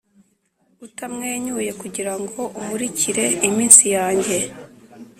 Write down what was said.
utamwenyuye kugirango umurikire iminsi yanjye,